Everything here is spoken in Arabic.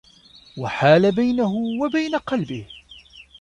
وَحَالَ بَيْنَهُ وَبَيْنَ قَلْبِهِ